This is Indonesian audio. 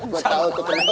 gue tau tuh kenapa